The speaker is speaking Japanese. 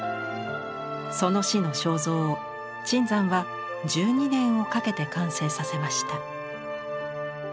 その師の肖像を椿山は１２年をかけて完成させました。